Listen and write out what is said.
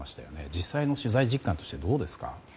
実際の取材実感としてどうですか？